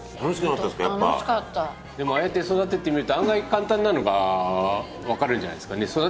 でもああやって育ててみると案外簡単なのがわかるんじゃないんですかね？